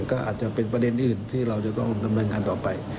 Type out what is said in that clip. ก็อาจจะเป็นประเด็นอื่นที่เราจะต้องดำเนินงานต่อไป